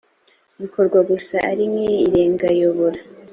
bikorwa gusa ari nk irengayobora